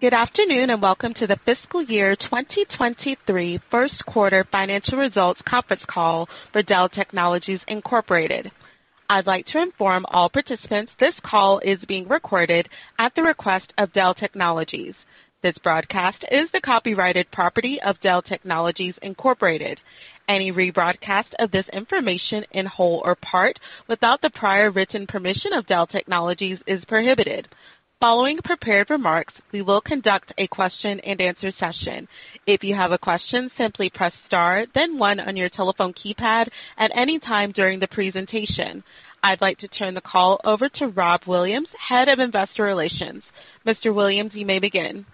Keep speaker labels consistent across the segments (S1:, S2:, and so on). S1: Good afternoon, and welcome to the fiscal year 2023 first quarter financial results conference call for Dell Technologies Inc. I'd like to inform all participants this call is being recorded at the request of Dell Technologies. This broadcast is the copyrighted property of Dell Technologies Inc. Any rebroadcast of this information in whole or part without the prior written permission of Dell Technologies is prohibited. Following prepared remarks, we will conduct a question-and-answer session. If you have a question, simply press star then one on your telephone keypad at any time during the presentation. I'd like to turn the call over to Rob Williams, Head of Investor Relations. Mr. Williams, you may begin.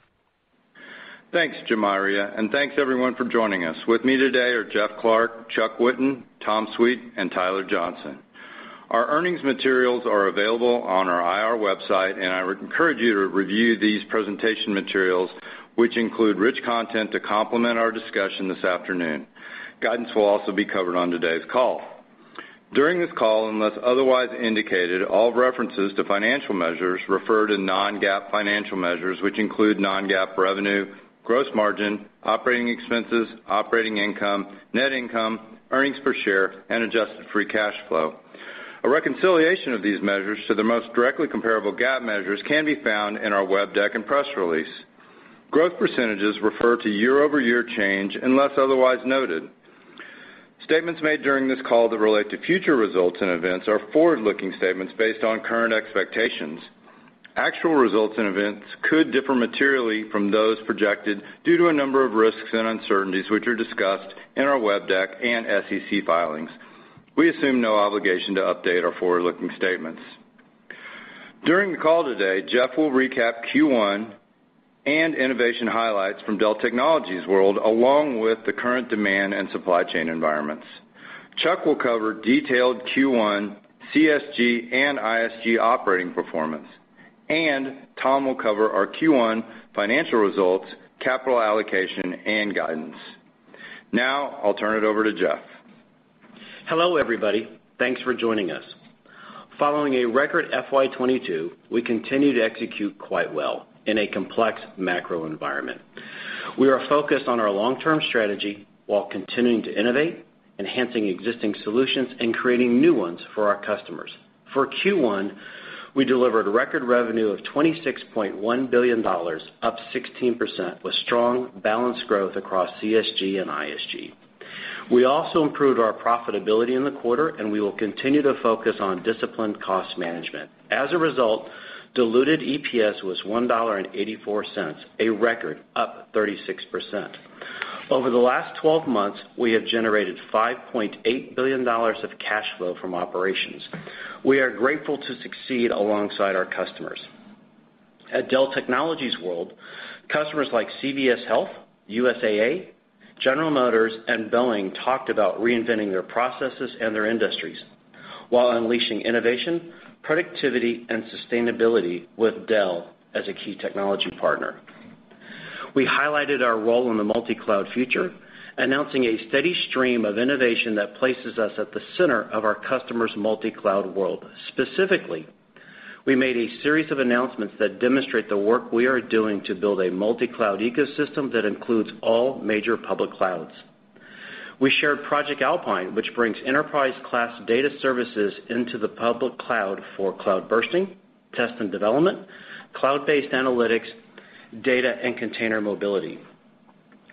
S2: Thanks, Jamaria, and thanks everyone for joining us. With me today are Jeff Clarke, Chuck Whitten, Tom Sweet, and Tyler Johnson. Our earnings materials are available on our IR website, and I would encourage you to review these presentation materials, which include rich content to complement our discussion this afternoon. Guidance will also be covered on today's call. During this call, unless otherwise indicated, all references to financial measures refer to Non-GAAP financial measures, which include Non-GAAP revenue, gross margin, operating expenses, operating income, net income, earnings per share, and adjusted free cash flow. A reconciliation of these measures to the most directly comparable GAAP measures can be found in our web deck and press release. Growth percentages refer to year-over-year change unless otherwise noted. Statements made during this call that relate to future results and events are forward-looking statements based on current expectations. Actual results and events could differ materially from those projected due to a number of risks and uncertainties, which are discussed in our web deck and SEC filings. We assume no obligation to update our forward-looking statements. During the call today, Jeff will recap Q1 and innovation highlights from Dell Technologies World, along with the current demand and supply chain environments. Chuck will cover detailed Q1, CSG, and ISG operating performance, and Tom will cover our Q1 financial results, capital allocation, and guidance. Now I'll turn it over to Jeff.
S3: Hello, everybody. Thanks for joining us. Following a record FY 2022, we continue to execute quite well in a complex macro environment. We are focused on our long-term strategy while continuing to innovate, enhancing existing solutions, and creating new ones for our customers. For Q1, we delivered record revenue of $26.1 billion, up 16%, with strong balanced growth across CSG and ISG. We also improved our profitability in the quarter, and we will continue to focus on disciplined cost management. As a result, diluted EPS was $1.84, a record up 36%. Over the last 12 months, we have generated $5.8 billion of cash flow from operations. We are grateful to succeed alongside our customers. At Dell Technologies World, customers like CVS Health, USAA, General Motors, and Boeing talked about reinventing their processes and their industries while unleashing innovation, productivity, and sustainability with Dell as a key technology partner. We highlighted our role in the multi-cloud future, announcing a steady stream of innovation that places us at the center of our customers' multi-cloud world. Specifically, we made a series of announcements that demonstrate the work we are doing to build a multi-cloud ecosystem that includes all major public clouds. We shared Project Alpine, which brings enterprise-class data services into the public cloud for cloud bursting, test and development, cloud-based analytics, data and container mobility.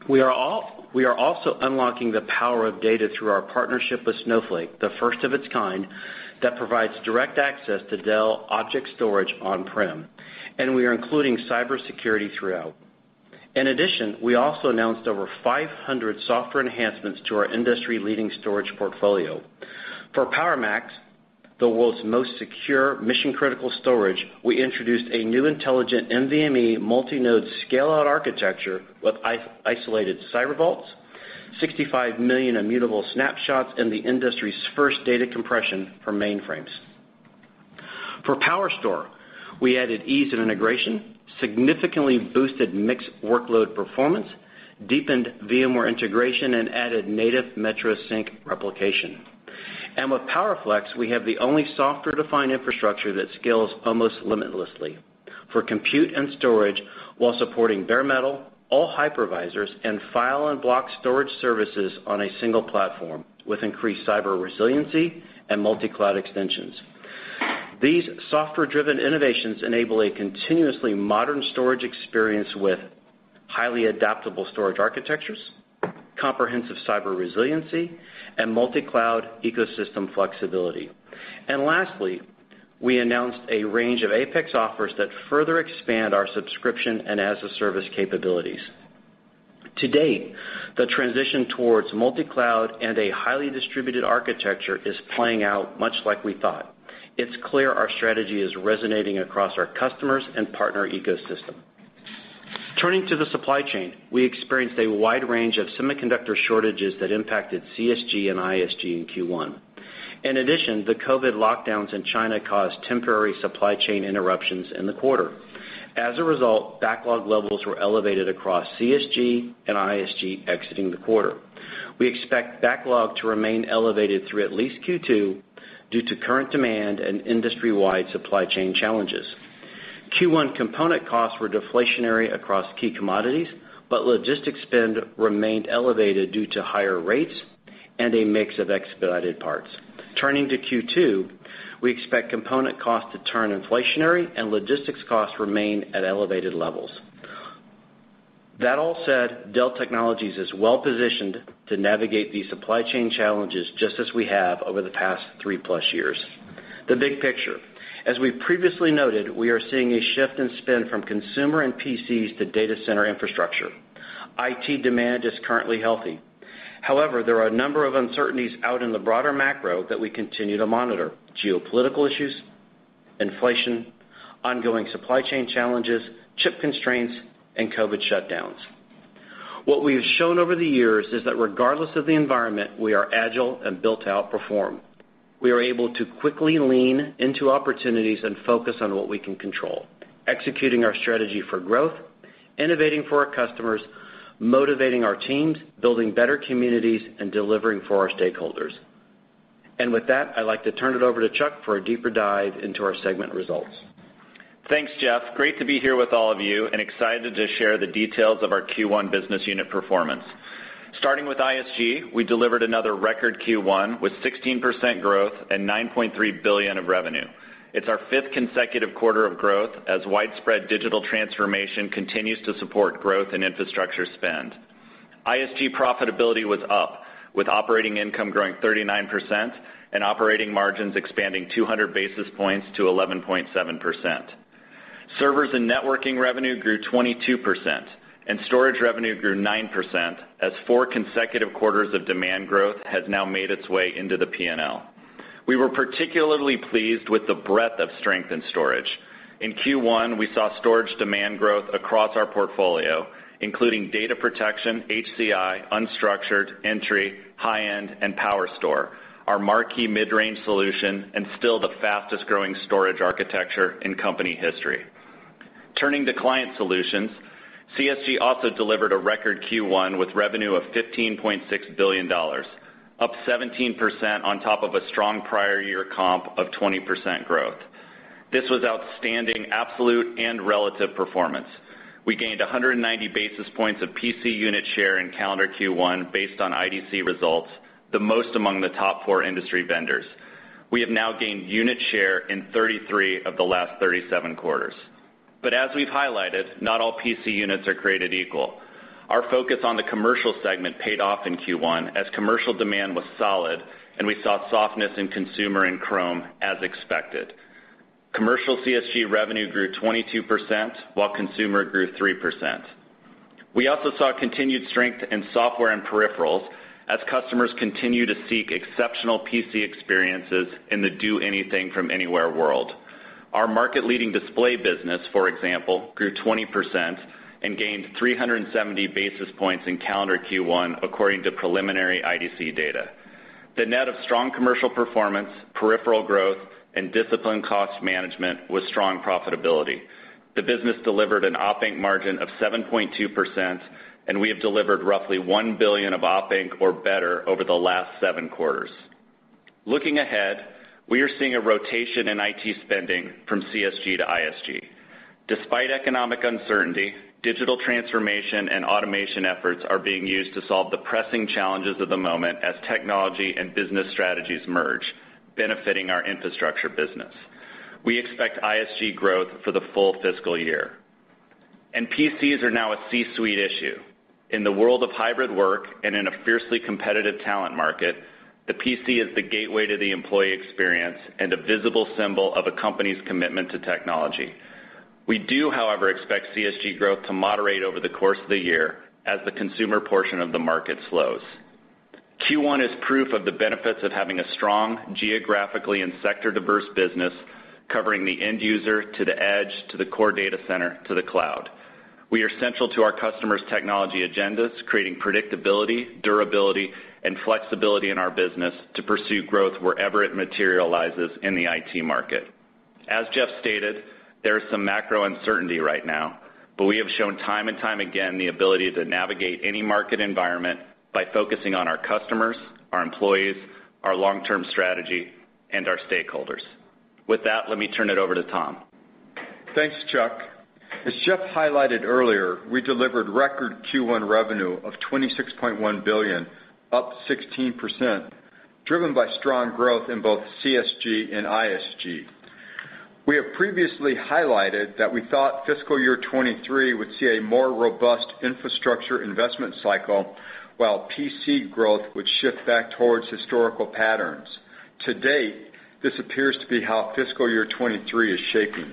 S3: We are also unlocking the power of data through our partnership with Snowflake, the first of its kind that provides direct access to Dell Object Storage on-prem, and we are including cybersecurity throughout. In addition, we also announced over 500 software enhancements to our industry-leading storage portfolio. For PowerMax, the world's most secure mission-critical storage, we introduced a new intelligent NVMe multi-node scale-out architecture with AI-isolated cyber vaults, 65 million immutable snapshots, and the industry's first data compression for mainframes. For PowerStore, we added ease and integration, significantly boosted mixed workload performance, deepened VMware integration, and added native Metro Sync replication. With PowerFlex, we have the only software-defined infrastructure that scales almost limitlessly for compute and storage while supporting bare metal, all hypervisors, and file and block storage services on a single platform with increased cyber resiliency and multi-cloud extensions. These software-driven innovations enable a continuously modern storage experience with highly adaptable storage architectures, comprehensive cyber resiliency, and multi-cloud ecosystem flexibility. Lastly, we announced a range of Apex offers that further expand our subscription and as-a-service capabilities. To date, the transition towards multi-cloud and a highly distributed architecture is playing out much like we thought. It's clear our strategy is resonating across our customers and partner ecosystem. Turning to the supply chain, we experienced a wide range of semiconductor shortages that impacted CSG and ISG in Q1. In addition, the COVID lockdowns in China caused temporary supply chain interruptions in the quarter. As a result, backlog levels were elevated across CSG and ISG exiting the quarter. We expect backlog to remain elevated through at least Q2 due to current demand and industry-wide supply chain challenges. Q1 component costs were deflationary across key commodities, but logistics spend remained elevated due to higher rates and a mix of expedited parts. Turning to Q2, we expect component costs to turn inflationary and logistics costs remain at elevated levels. That all said, Dell Technologies is well-positioned to navigate these supply chain challenges just as we have over the past three-plus years. The big picture, as we previously noted, we are seeing a shift in spend from consumer and PCs to data center infrastructure. IT demand is currently healthy. However, there are a number of uncertainties out in the broader macro that we continue to monitor, geopolitical issues, inflation, ongoing supply chain challenges, chip constraints, and COVID shutdowns. What we have shown over the years is that regardless of the environment, we are agile and built to outperform. We are able to quickly lean into opportunities and focus on what we can control, executing our strategy for growth, innovating for our customers, motivating our teams, building better communities, and delivering for our stakeholders. With that, I'd like to turn it over to Chuck for a deeper dive into our segment results.
S4: Thanks, Jeff. Great to be here with all of you, and excited to share the details of our Q1 business unit performance. Starting with ISG, we delivered another record Q1 with 16% growth and $9.3 billion of revenue. It's our fifth consecutive quarter of growth as widespread digital transformation continues to support growth and infrastructure spend. ISG profitability was up, with operating income growing 39% and operating margins expanding 200 basis points to 11.7%. Servers and networking revenue grew 22%, and storage revenue grew 9% as four consecutive quarters of demand growth has now made its way into the P&L. We were particularly pleased with the breadth of strength in storage. In Q1, we saw storage demand growth across our portfolio, including data protection, HCI, unstructured, entry, high-end, and PowerStore, our marquee mid-range solution and still the fastest-growing storage architecture in company history. Turning to client solutions, CSG also delivered a record Q1 with revenue of $15.6 billion, up 17% on top of a strong prior year comp of 20% growth. This was outstanding absolute and relative performance. We gained 190 basis points of PC unit share in calendar Q1 based on IDC results, the most among the top four industry vendors. We have now gained unit share in 33 of the last 37 quarters. As we've highlighted, not all PC units are created equal. Our focus on the commercial segment paid off in Q1 as commercial demand was solid, and we saw softness in consumer and Chrome as expected. Commercial CSG revenue grew 22%, while consumer grew 3%. We also saw continued strength in software and peripherals as customers continue to seek exceptional PC experiences in the do anything from anywhere world. Our market-leading display business, for example, grew 20% and gained 370 basis points in calendar Q1 according to preliminary IDC data. The net of strong commercial performance, peripheral growth, and disciplined cost management was strong profitability. The business delivered an op inc. margin of 7.2%, and we have delivered roughly $1 billion of op inc. or better over the last seven quarters. Looking ahead, we are seeing a rotation in IT spending from CSG to ISG. Despite economic uncertainty, digital transformation and automation efforts are being used to solve the pressing challenges of the moment as technology and business strategies merge, benefiting our infrastructure business. We expect ISG growth for the full fiscal year. PCs are now a C-suite issue. In the world of hybrid work and in a fiercely competitive talent market, the PC is the gateway to the employee experience and a visible symbol of a company's commitment to technology. We do, however, expect CSG growth to moderate over the course of the year as the consumer portion of the market slows. Q1 is proof of the benefits of having a strong geographically and sector-diverse business covering the end user to the edge, to the core data center, to the cloud. We are central to our customers' technology agendas, creating predictability, durability, and flexibility in our business to pursue growth wherever it materializes in the IT market. As Jeff stated, there is some macro uncertainty right now, but we have shown time and time again the ability to navigate any market environment by focusing on our customers, our employees, our long-term strategy, and our stakeholders. With that, let me turn it over to Tom.
S5: Thanks, Chuck. As Jeff highlighted earlier, we delivered record Q1 revenue of $26.1 billion, up 16%, driven by strong growth in both CSG and ISG. We have previously highlighted that we thought fiscal year 2023 would see a more robust infrastructure investment cycle, while PC growth would shift back towards historical patterns. To date, this appears to be how fiscal year 2023 is shaping.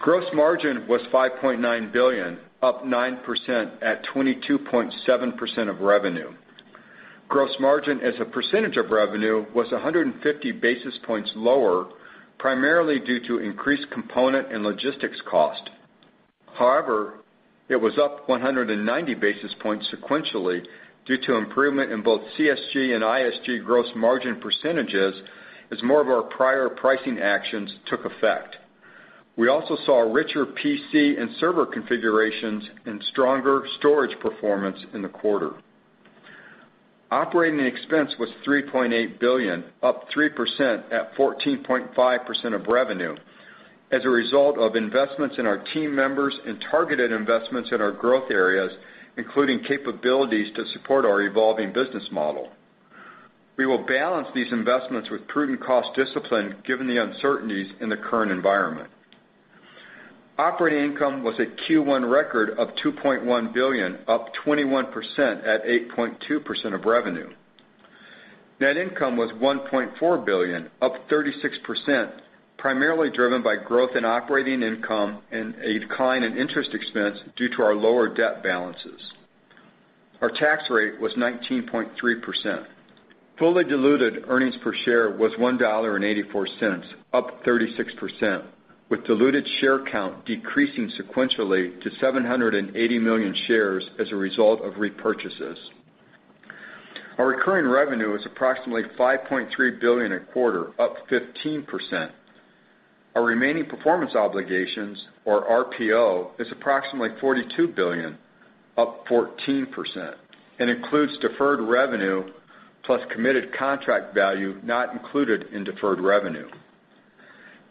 S5: Gross margin was $5.9 billion, up 9% at 22.7% of revenue. Gross margin as a percentage of revenue was 150 basis points lower, primarily due to increased component and logistics cost. However, it was up 190 basis points sequentially due to improvement in both CSG and ISG gross margin percentages as more of our prior pricing actions took effect. We also saw richer PC and server configurations and stronger storage performance in the quarter. Operating expense was $3.8 billion, up 3% at 14.5% of revenue as a result of investments in our team members and targeted investments in our growth areas, including capabilities to support our evolving business model. We will balance these investments with prudent cost discipline given the uncertainties in the current environment. Operating income was a Q1 record of $2.1 billion, up 21% at 8.2% of revenue. Net income was $1.4 billion, up 36%, primarily driven by growth in operating income and a decline in interest expense due to our lower debt balances. Our tax rate was 19.3%. Fully diluted earnings per share was $1.84, up 36%, with diluted share count decreasing sequentially to 780 million shares as a result of repurchases. Our recurring revenue is approximately $5.3 billion a quarter, up 15%. Our remaining performance obligations, or RPO, is approximately $42 billion, up 14%, and includes deferred revenue plus committed contract value not included in deferred revenue.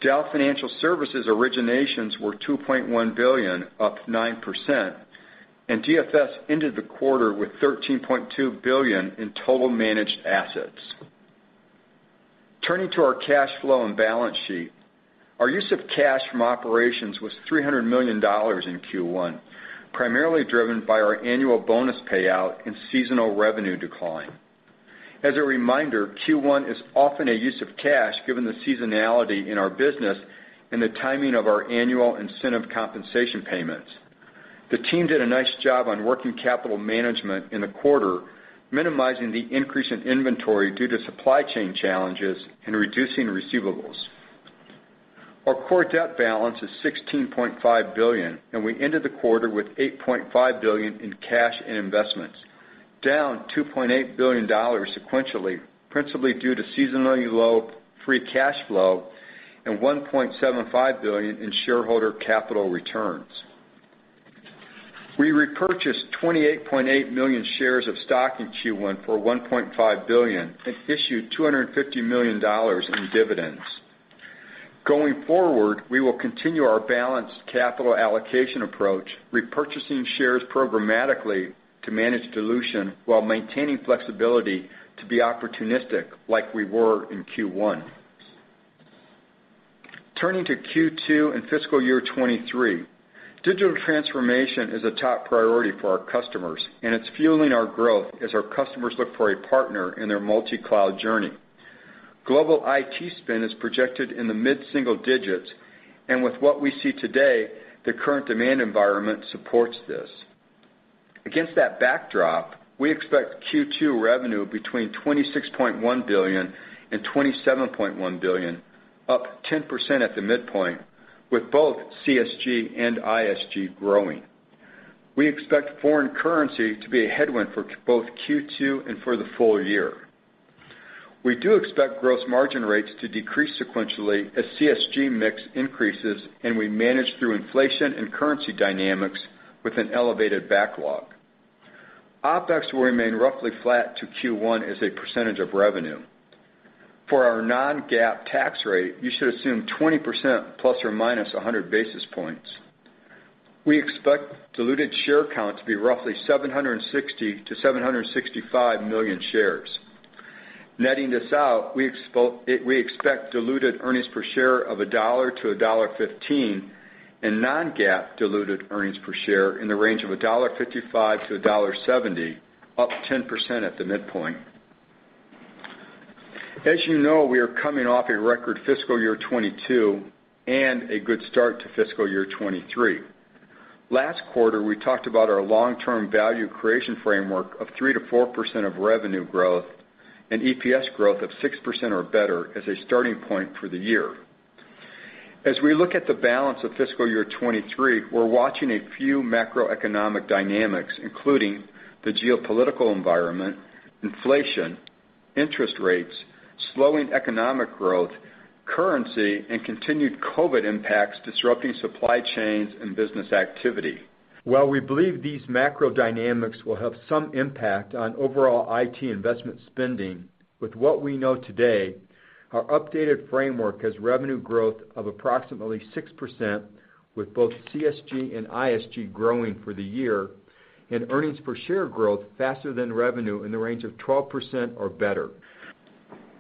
S5: Dell Financial Services originations were $2.1 billion, up 9%, and DFS ended the quarter with $13.2 billion in total managed assets. Turning to our cash flow and balance sheet, our use of cash from operations was $300 million in Q1, primarily driven by our annual bonus payout and seasonal revenue decline. As a reminder, Q1 is often a use of cash given the seasonality in our business and the timing of our annual incentive compensation payments. The team did a nice job on working capital management in the quarter, minimizing the increase in inventory due to supply chain challenges and reducing receivables. Our core debt balance is $16.5 billion, and we ended the quarter with $8.5 billion in cash and investments, down $2.8 billion dollars sequentially, principally due to seasonally low free cash flow and $1.75 billion in shareholder capital returns. We repurchased 28.8 million shares of stock in Q1 for $1.5 billion and issued $250 million dollars in dividends. Going forward, we will continue our balanced capital allocation approach, repurchasing shares programmatically to manage dilution while maintaining flexibility to be opportunistic like we were in Q1. Turning to Q2 and fiscal year 2023, digital transformation is a top priority for our customers, and it's fueling our growth as our customers look for a partner in their multi-cloud journey. Global IT spend is projected in the mid-single digits, and with what we see today, the current demand environment supports this. Against that backdrop, we expect Q2 revenue between $26.1 billion and $27.1 billion, up 10% at the midpoint, with both CSG and ISG growing. We expect foreign currency to be a headwind for both Q2 and for the full year. We do expect gross margin rates to decrease sequentially as CSG mix increases, and we manage through inflation and currency dynamics with an elevated backlog. OpEx will remain roughly flat to Q1 as a percentage of revenue. For our Non-GAAP tax rate, you should assume 20% plus or minus 100 basis points. We expect diluted share count to be roughly 760-765 million shares. Netting this out, we expect diluted earnings per share of $1-$1.15 and Non-GAAP diluted earnings per share in the range of $1.55-$1.70, up 10% at the midpoint. As you know, we are coming off a record fiscal year 2022 and a good start to fiscal year 2023. Last quarter, we talked about our long-term value creation framework of 3%-4% of revenue growth and EPS growth of 6% or better as a starting point for the year. As we look at the balance of fiscal year 2023, we're watching a few macroeconomic dynamics, including the geopolitical environment, inflation, interest rates, slowing economic growth, currency, and continued COVID impacts disrupting supply chains and business activity. While we believe these macro dynamics will have some impact on overall IT investment spending, with what we know today, our updated framework has revenue growth of approximately 6%, with both CSG and ISG growing for the year and earnings per share growth faster than revenue in the range of 12% or better.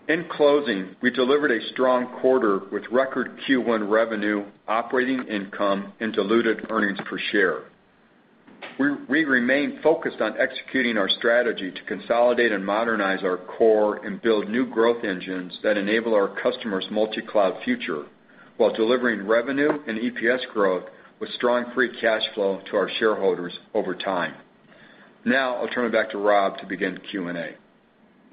S5: In closing, we delivered a strong quarter with record Q1 revenue, operating income, and diluted earnings per share. We remain focused on executing our strategy to consolidate and modernize our core and build new growth engines that enable our customers' multi-cloud future while delivering revenue and EPS growth with strong free cash flow to our shareholders over time. Now I'll turn it back to Rob to begin Q&A.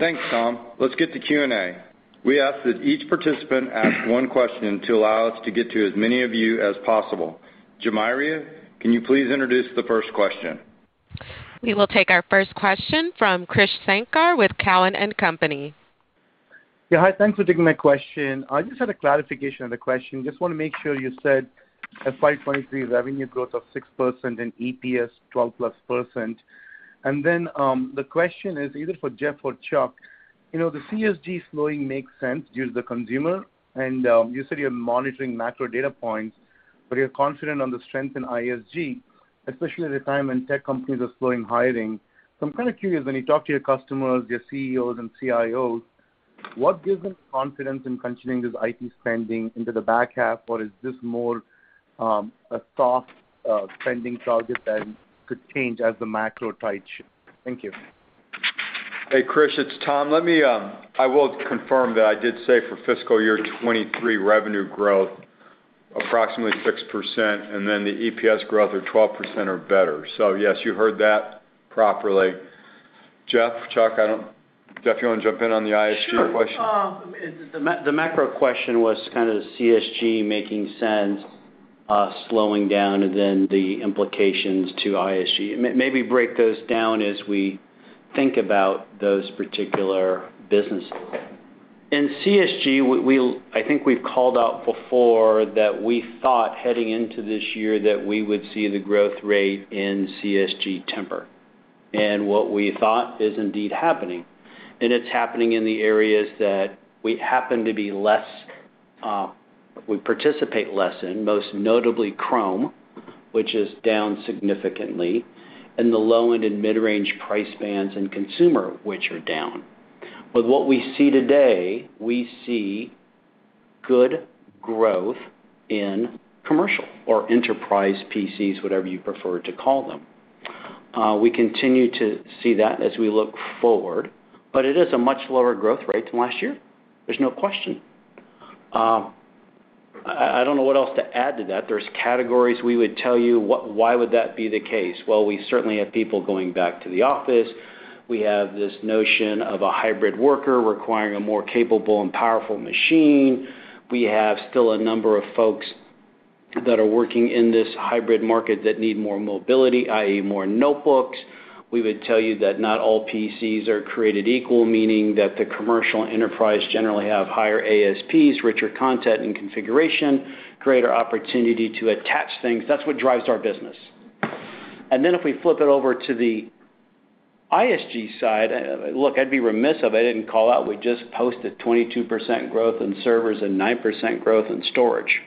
S2: Thanks, Tom. Let's get to Q&A. We ask that each participant ask one question to allow us to get to as many of you as possible. Jamiria, can you please introduce the first question?
S1: We will take our first question from Krish Sankar with Cowen and Company.
S6: Yeah. Hi, thanks for taking my question. I just had a clarification on the question. Just wanna make sure you said at FY 2023 revenue growth of 6% and EPS 12%+. Then, the question is either for Jeff or Chuck. You know, the CSG slowing makes sense due to the consumer, and you said you're monitoring macro data points, but you're confident on the strength in ISG, especially at a time when tech companies are slowing hiring. I'm kinda curious, when you talk to your customers, your CEOs and CIOs, what gives them confidence in continuing this IT spending into the back half, or is this more, a soft spending target that could change as the macro tides shift? Thank you.
S5: Hey, Krish, it's Tom. Let me, I will confirm that I did say for fiscal year 2023 revenue growth approximately 6%, and then the EPS growth at 12% or better. Yes, you heard that properly. Jeff, Chuck, Jeff, you wanna jump in on the ISG question?
S3: Sure. The macro question was kinda the CSG making sense, slowing down and then the implications to ISG. Maybe break those down as we think about those particular businesses. In CSG, we'll, I think we've called out before that we thought heading into this year that we would see the growth rate in CSG temper. What we thought is indeed happening. It's happening in the areas that we happen to be less, we participate less in, most notably Chrome, which is down significantly, and the low-end and mid-range price bands in consumer, which are down. What we see today, we see good growth in commercial or enterprise PCs, whatever you prefer to call them. We continue to see that as we look forward, but it is a much lower growth rate than last year. There's no question. I don't know what else to add to that. There's categories we would tell you why that would be the case. Well, we certainly have people going back to the office. We have this notion of a hybrid worker requiring a more capable and powerful machine. We have still a number of folks that are working in this hybrid market that need more mobility, i.e., more notebooks. We would tell you that not all PCs are created equal, meaning that the commercial enterprise generally have higher ASPs, richer content and configuration, greater opportunity to attach things. That's what drives our business. Then if we flip it over to the ISG side, look, I'd be remiss if I didn't call out we just posted 22% growth in servers and 9% growth in storage.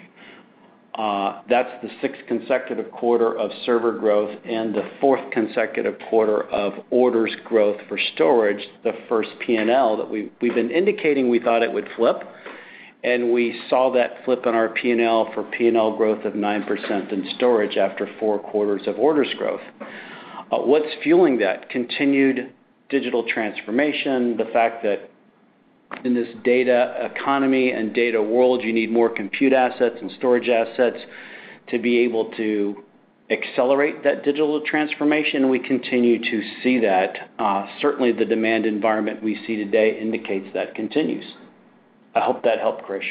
S3: That's the sixth consecutive quarter of server growth and the fourth consecutive quarter of orders growth for storage. We've been indicating we thought it would flip, and we saw that flip on our P&L for P&L growth of 9% in storage after four quarters of orders growth. What's fueling that? Continued digital transformation, the fact that in this data economy and data world, you need more compute assets and storage assets to be able to accelerate that digital transformation. We continue to see that. Certainly the demand environment we see today indicates that continues. I hope that helped, Krish.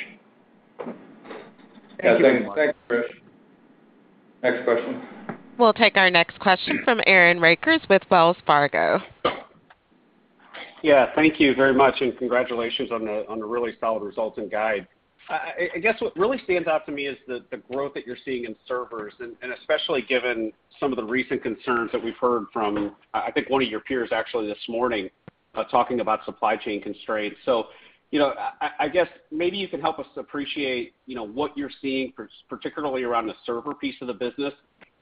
S5: Yeah, thanks. Thanks, Krish. Next question.
S1: We'll take our next question from Aaron Rakers with Wells Fargo.
S7: Yeah. Thank you very much, and congratulations on the really solid results and guide. I guess what really stands out to me is the growth that you're seeing in servers, and especially given some of the recent concerns that we've heard from, I think one of your peers actually this morning talking about supply chain constraints. You know, I guess maybe you can help us appreciate what you're seeing particularly around the server piece of the business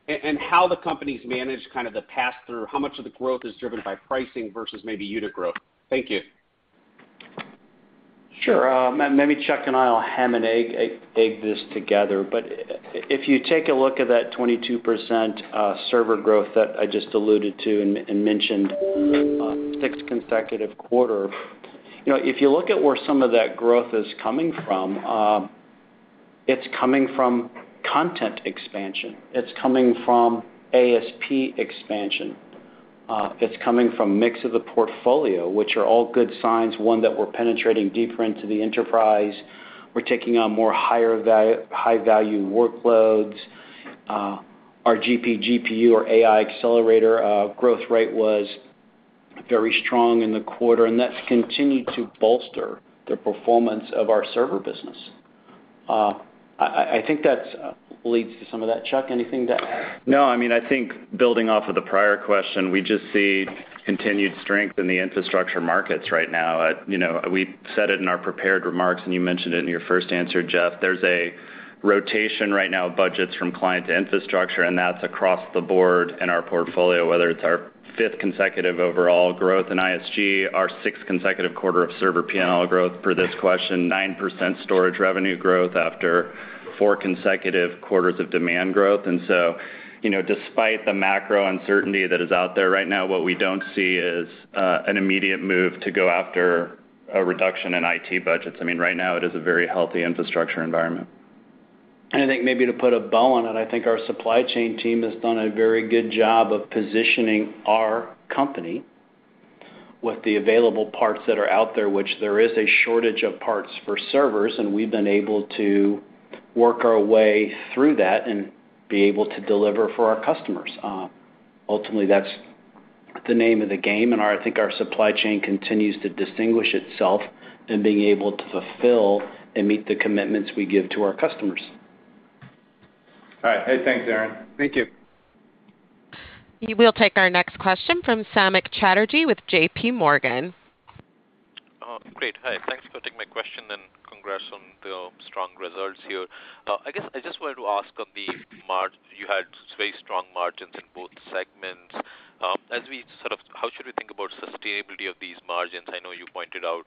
S7: and how the company's managed kind of the pass through, how much of the growth is driven by pricing versus maybe unit growth. Thank you.
S3: Sure. Maybe Chuck and I will hem and haw this together. If you take a look at that 22% server growth that I just alluded to and mentioned, sixth consecutive quarter. You know, if you look at where some of that growth is coming from, it's coming from content expansion. It's coming from ASP expansion. It's coming from mix of the portfolio, which are all good signs. One, that we're penetrating deeper into the enterprise. We're taking on more high-value workloads. Our GPGPU or AI accelerator growth rate was very strong in the quarter, and that's continued to bolster the performance of our server business. I think that leads to some of that. Chuck, anything to add?
S4: No. I mean, I think building off of the prior question, we just see continued strength in the infrastructure markets right now. You know, we said it in our prepared remarks, and you mentioned it in your first answer, Jeff. There's a rotation right now of budgets from client to infrastructure, and that's across the board in our portfolio, whether it's our fifth consecutive overall growth in ISG, our sixth consecutive quarter of server P&L growth per this question, 9% storage revenue growth after four consecutive quarters of demand growth. You know, despite the macro uncertainty that is out there right now, what we don't see is an immediate move to go after a reduction in IT budgets. I mean, right now it is a very healthy infrastructure environment.
S3: I think maybe to put a bow on it, I think our supply chain team has done a very good job of positioning our company with the available parts that are out there, which there is a shortage of parts for servers, and we've been able to work our way through that and be able to deliver for our customers. Ultimately, that's. The name of the game, and I think our supply chain continues to distinguish itself in being able to fulfill and meet the commitments we give to our customers.
S5: All right. Hey, thanks, Aaron.
S4: Thank you.
S1: We will take our next question from Samik Chatterjee with JPMorgan.
S8: Thanks for taking my question, and congrats on the strong results here. I guess I just wanted to ask on the margin. You had very strong margins in both segments. How should we think about sustainability of these margins? I know you pointed out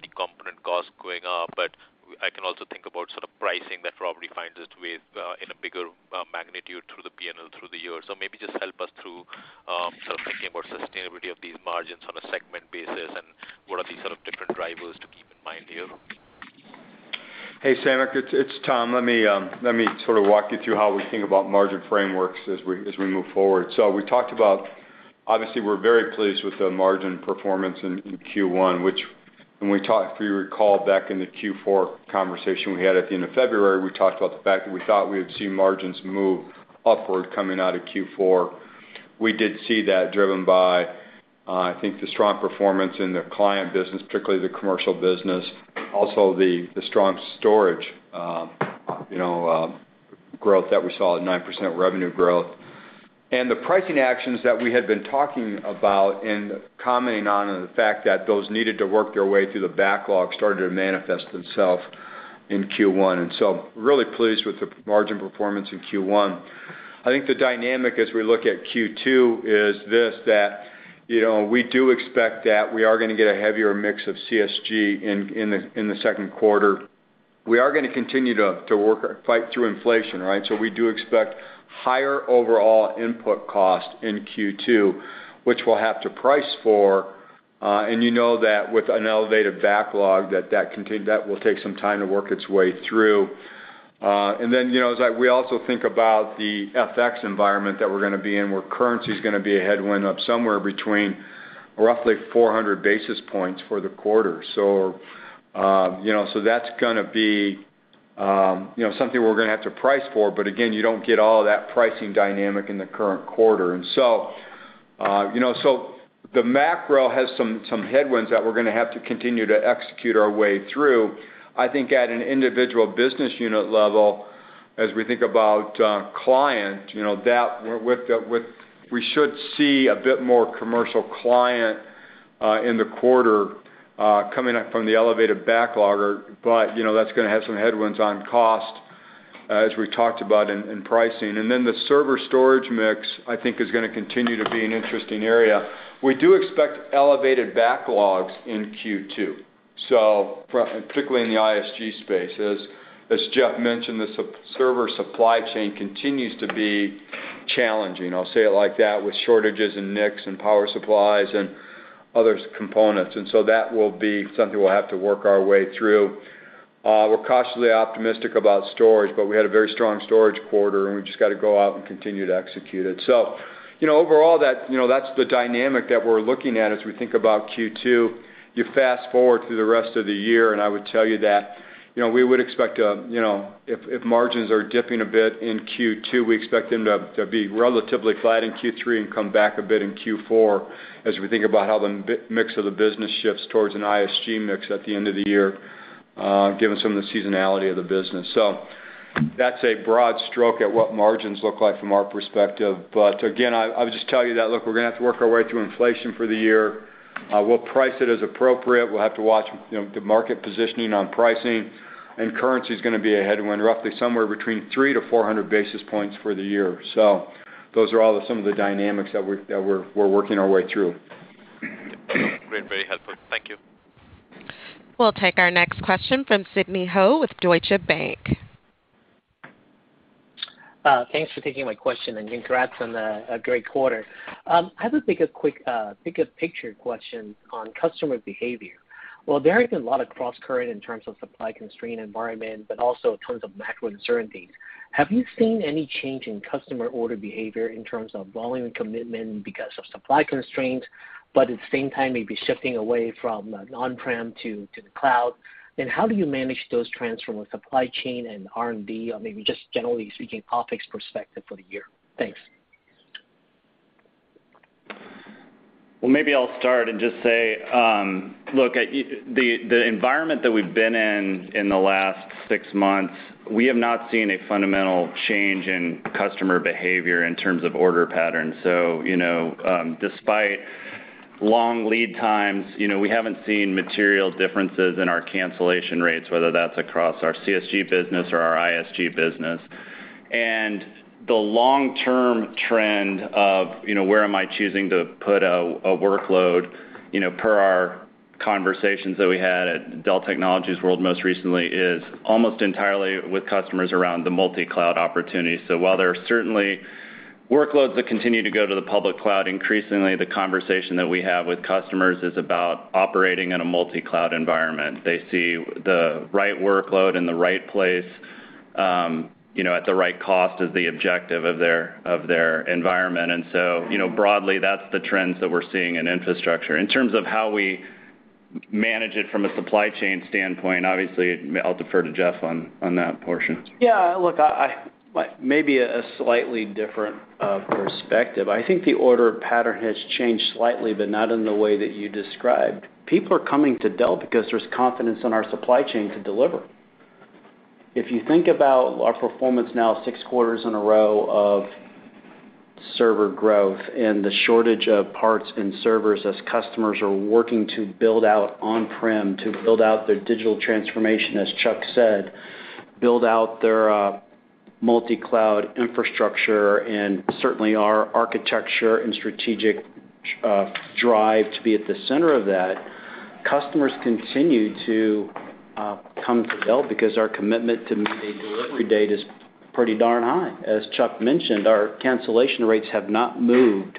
S8: the component cost going up, but I can also think about sort of pricing that probably finds its way in a bigger magnitude through the P&L through the year. Maybe just help us through sort of thinking about sustainability of these margins on a segment basis and what are the sort of different drivers to keep in mind here.
S5: Hey, Samik. It's Tom. Let me sort of walk you through how we think about margin frameworks as we move forward. We talked about, obviously, we're very pleased with the margin performance in Q1, which when we talked, if you recall back in the Q4 conversation we had at the end of February, we talked about the fact that we thought we would see margins move upward coming out of Q4. We did see that driven by, I think the strong performance in the client business, particularly the commercial business, also the strong storage, you know, growth that we saw at 9% revenue growth. The pricing actions that we had been talking about and commenting on the fact that those needed to work their way through the backlog started to manifest themselves in Q1. Really pleased with the margin performance in Q1. I think the dynamic as we look at Q2 is this, that, you know, we do expect that we are gonna get a heavier mix of CSG in the second quarter. We are gonna continue to work our way through inflation, right? We do expect higher overall input cost in Q2, which we'll have to price for, and you know that with an elevated backlog that will take some time to work its way through. We also think about the FX environment that we're gonna be in, where currency is gonna be a headwind of somewhere between roughly 400 basis points for the quarter. You know, that's gonna be something we're gonna have to price for. But again, you don't get all of that pricing dynamic in the current quarter. The macro has some headwinds that we're gonna have to continue to execute our way through. I think at an individual business unit level, as we think about client, you know, that we should see a bit more commercial client in the quarter coming up from the elevated backlog. You know, that's gonna have some headwinds on cost as we talked about in pricing. The server storage mix, I think, is gonna continue to be an interesting area. We do expect elevated backlogs in Q2, so particularly in the ISG space. As Jeff mentioned, the server supply chain continues to be challenging, I'll say it like that, with shortages in NICs and power supplies and other components, and so that will be something we'll have to work our way through. We're cautiously optimistic about storage, but we had a very strong storage quarter, and we just got to go out and continue to execute it. You know, overall, that, you know, that's the dynamic that we're looking at as we think about Q2. You fast-forward through the rest of the year, and I would tell you that, you know, we would expect a, you know, if margins are dipping a bit in Q2, we expect them to be relatively flat in Q3 and come back a bit in Q4 as we think about how the mix of the business shifts towards an ISG mix at the end of the year, given some of the seasonality of the business. That's a broad stroke at what margins look like from our perspective. Again, I would just tell you that, look, we're gonna have to work our way through inflation for the year. We'll price it as appropriate. We'll have to watch, you know, the market positioning on pricing, and currency is gonna be a headwind roughly somewhere between 300-400 basis points for the year. Those are all some of the dynamics that we're working our way through.
S9: Great. Very helpful. Thank you.
S1: We'll take our next question from Sidney Ho with Deutsche Bank.
S10: Thanks for taking my question, and congrats on a great quarter. I have a bigger picture question on customer behavior. While there has been a lot of crosscurrents in terms of supply-constrained environment, but also in terms of macro uncertainties, have you seen any change in customer order behavior in terms of volume and commitment because of supply constraints, but at the same time, maybe shifting away from on-prem to the cloud? How do you manage those trends from a supply chain and R&D or maybe just generally speaking OpEx perspective for the year? Thanks.
S4: Well, maybe I'll start and just say, look, at the environment that we've been in in the last six months, we have not seen a fundamental change in customer behavior in terms of order patterns. You know, despite long lead times, you know, we haven't seen material differences in our cancellation rates, whether that's across our CSG business or our ISG business. The long-term trend of, you know, where am I choosing to put a workload, you know, per our conversations that we had at Dell Technologies World most recently, is almost entirely with customers around the multi-cloud opportunity. While there are certainly workloads that continue to go to the public cloud, increasingly the conversation that we have with customers is about operating in a multi-cloud environment. They see the right workload in the right place, you know, at the right cost as the objective of their environment. You know, broadly, that's the trends that we're seeing in infrastructure. In terms of how we manage it from a supply chain standpoint, obviously, I'll defer to Jeff on that portion.
S3: Yeah. Look, maybe a slightly different perspective. I think the order pattern has changed slightly, but not in the way that you described. People are coming to Dell because there's confidence in our supply chain to deliver. If you think about our performance now 6 quarters in a row of server growth and the shortage of parts and servers as customers are working to build out on-prem, to build out their digital transformation, as Chuck said, build out their multi-cloud infrastructure, and certainly our architecture and strategic drive to be at the center of that, customers continue to come to Dell because our commitment to meet a delivery date is pretty darn high. As Chuck mentioned, our cancellation rates have not moved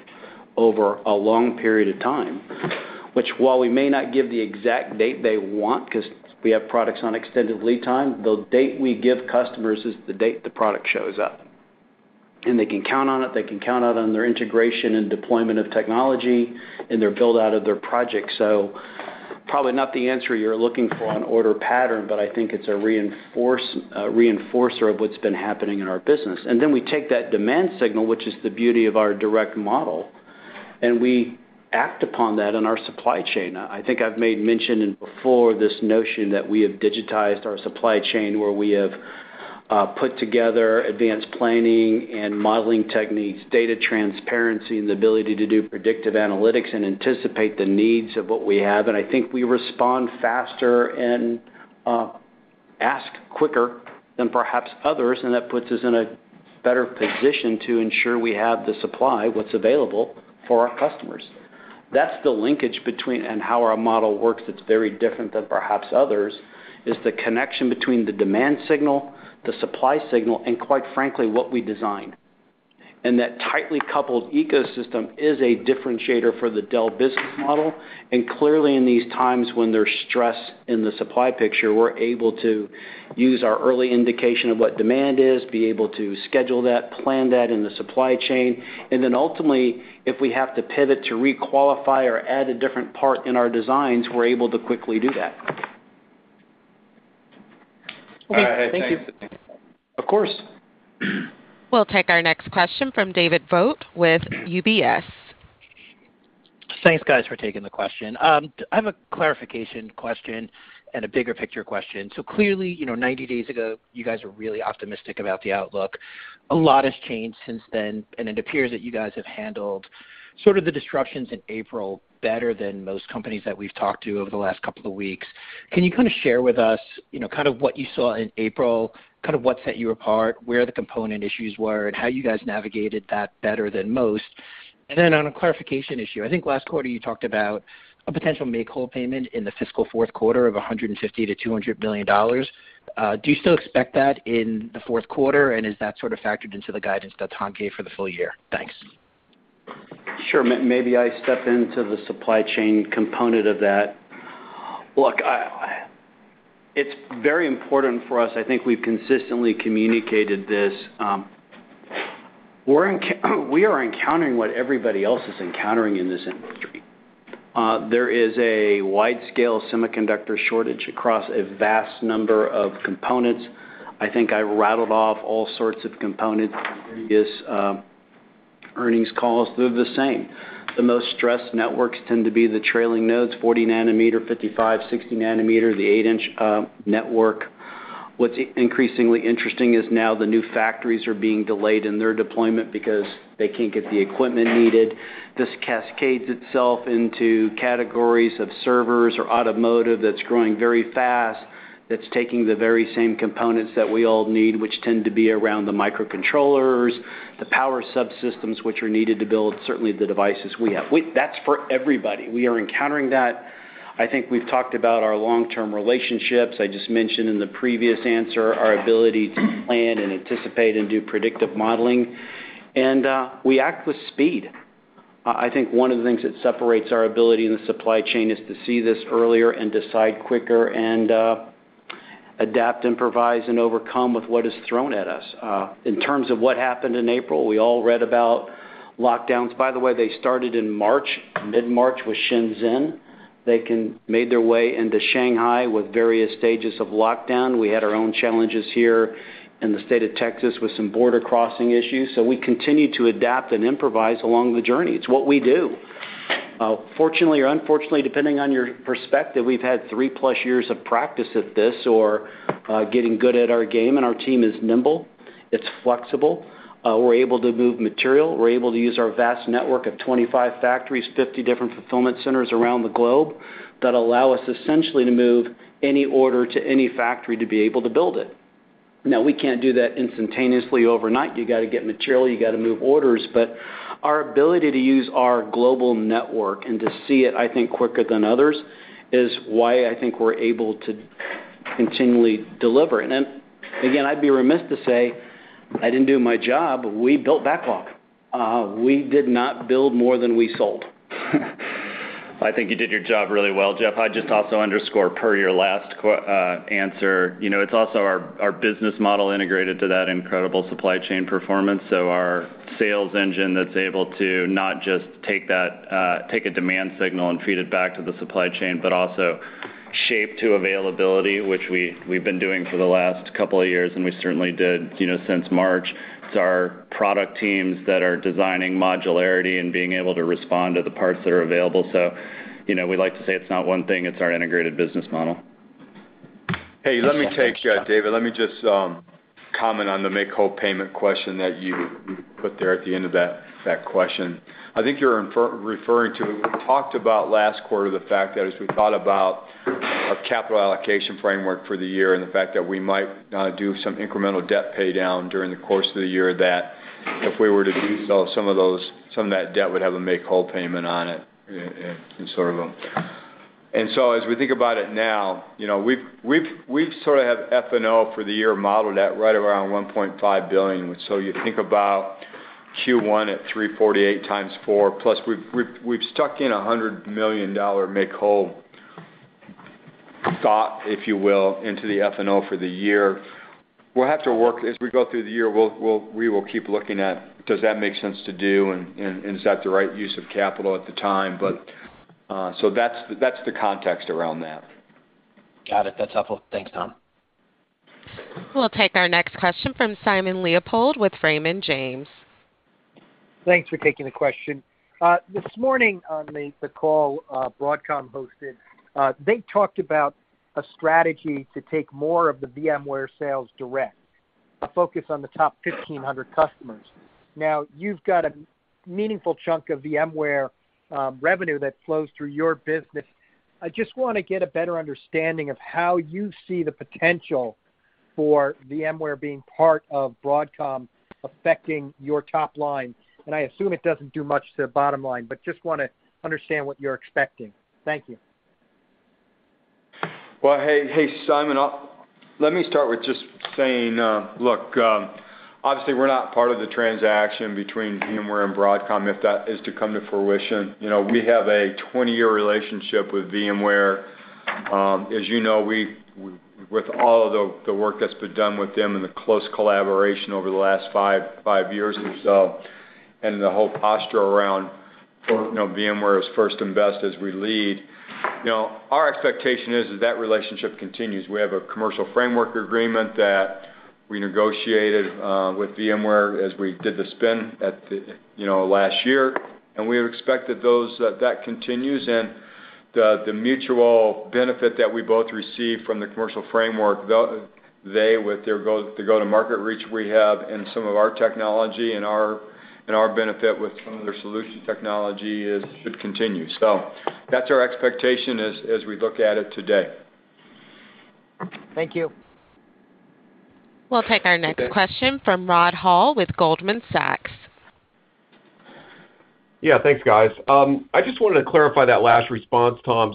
S3: over a long period of time, which while we may not give the exact date they want because we have products on extended lead time, the date we give customers is the date the product shows up. They can count on it, they can count on their integration and deployment of technology and their build-out of their project. Probably not the answer you're looking for on order pattern, but I think it's a reinforcer of what's been happening in our business. Then we take that demand signal, which is the beauty of our direct model, and we act upon that in our supply chain. I think I've made mention before this notion that we have digitized our supply chain, where we have put together advanced planning and modeling techniques, data transparency, and the ability to do predictive analytics and anticipate the needs of what we have. I think we respond faster and ask quicker than perhaps others, and that puts us in a better position to ensure we have the supply, what's available for our customers. That's the linkage between and how our model works that's very different than perhaps others, is the connection between the demand signal, the supply signal, and quite frankly, what we design. That tightly coupled ecosystem is a differentiator for the Dell business model. Clearly, in these times when there's stress in the supply picture, we're able to use our early indication of what demand is, be able to schedule that, plan that in the supply chain. Then ultimately, if we have to pivot to re-qualify or add a different part in our designs, we're able to quickly do that.
S10: Okay. Thank you.
S3: Of course.
S1: We'll take our next question from David Vogt with UBS.
S9: Thanks, guys, for taking the question. I have a clarification question and a bigger picture question. Clearly, you know, 90 days ago, you guys were really optimistic about the outlook. A lot has changed since then, and it appears that you guys have handled sort of the disruptions in April better than most companies that we've talked to over the last couple of weeks. Can you kind of share with us, you know, kind of what you saw in April, kind of what set you apart, where the component issues were, and how you guys navigated that better than most? On a clarification issue, I think last quarter you talked about a potential make-whole payment in the fiscal fourth quarter of $150 million-$200 million. Do you still expect that in the fourth quarter? Is that sort of factored into the guidance that Tom gave for the full year? Thanks.
S3: Sure. Maybe I step into the supply chain component of that. Look, it's very important for us. I think we've consistently communicated this. We are encountering what everybody else is encountering in this industry. There is a wide-scale semiconductor shortage across a vast number of components. I think I rattled off all sorts of components in previous earnings calls. They're the same. The most stressed networks tend to be the trailing nodes, 40 nanometer, 55, 60 nanometer, the eight-inch network. What's increasingly interesting is now the new factories are being delayed in their deployment because they can't get the equipment needed. This cascades itself into categories of servers or automotive that's growing very fast, that's taking the very same components that we all need, which tend to be around the microcontrollers, the power subsystems which are needed to build certainly the devices we have. We are encountering that. I think we've talked about our long-term relationships. I just mentioned in the previous answer our ability to plan and anticipate and do predictive modeling. We act with speed. I think one of the things that separates our ability in the supply chain is to see this earlier and decide quicker and, adapt, improvise, and overcome with what is thrown at us. In terms of what happened in April, we all read about lockdowns. By the way, they started in March, mid-March with Shenzhen. They made their way into Shanghai with various stages of lockdown. We had our own challenges here in the state of Texas with some border crossing issues. We continue to adapt and improvise along the journey. It's what we do. Fortunately or unfortunately, depending on your perspective, we've had 3+ years of practice at this or getting good at our game, and our team is nimble, it's flexible. We're able to move material. We're able to use our vast network of 25 factories, 50 different fulfillment centers around the globe that allow us essentially to move any order to any factory to be able to build it. Now, we can't do that instantaneously overnight. You got to get material, you got to move orders. Our ability to use our global network and to see it, I think, quicker than others, is why I think we're able to continually deliver. Again, I'd be remiss to say I didn't do my job. We built backlog. We did not build more than we sold.
S4: I think you did your job really well, Jeff. I'd just also underscore per your last answer. You know, it's also our business model integrated to that incredible supply chain performance. Our sales engine that's able to not just take a demand signal and feed it back to the supply chain, but also Shaping to availability, which we've been doing for the last couple of years, and we certainly did, you know, since March. It's our product teams that are designing modularity and being able to respond to the parts that are available. You know, we like to say it's not one thing, it's our integrated business model.
S5: Hey, let me take, David, let me just comment on the make-whole payment question that you put there at the end of that question. I think you're referring to, we talked about last quarter the fact that as we thought about our capital allocation framework for the year and the fact that we might do some incremental debt pay down during the course of the year, that if we were to do so, some of that debt would have a make-whole payment on it in sort of a. As we think about it now, you know, we've sort of have FCF for the year modeled at right around $1.5 billion. You think about Q1 at 348 × 4, plus we've stuck in a $100 million make-whole thought, if you will, into the FCF for the year. We'll have to work, as we go through the year, we'll we will keep looking at does that make sense to do and is that the right use of capital at the time. That's the context around that.
S9: Got it. That's helpful. Thanks, Tom.
S1: We'll take our next question from Simon Leopold with Raymond James.
S11: Thanks for taking the question. This morning on the call, Broadcom hosted, they talked about a strategy to take more of the VMware sales direct, a focus on the top 1,500 customers. Now, you've got a meaningful chunk of VMware revenue that flows through your business. I just wanna get a better understanding of how you see the potential for VMware being part of Broadcom affecting your top line. I assume it doesn't do much to the bottom line, but just wanna understand what you're expecting. Thank you.
S5: Hey, Simon. Let me start with just saying, look, obviously we're not part of the transaction between VMware and Broadcom, if that is to come to fruition. You know, we have a 20-year relationship with VMware. As you know, with all of the work that's been done with them and the close collaboration over the last 5 years or so, and the whole posture around, you know, VMware as first and best as we lead, you know, our expectation is that relationship continues. We have a commercial framework agreement that we negotiated with VMware as we did the spin you know last year, and we expect that continues and the mutual benefit that we both receive from the commercial framework, they with their go-to-market reach we have and some of our technology and our benefit with some of their solution technology should continue. That's our expectation as we look at it today.
S11: Thank you.
S1: We'll take our next question from Rod Hall with Goldman Sachs.
S12: Yeah. Thanks, guys. I just wanted to clarify that last response, Tom.